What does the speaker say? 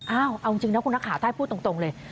เอาจริงนะคุณนักข่าวถ้าพูดตรงเลย